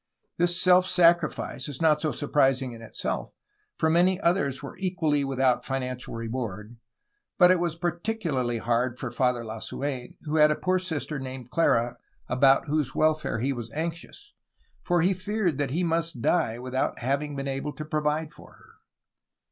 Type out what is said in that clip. This self sacrifice is not so surprising in itself, for many others were equally without financial reward, but it was particularly hard for Father Lasu^n, who had a poor sister, named Clara, about whose welfare he was anxious, for he feared that he must die without having been able to provide for her.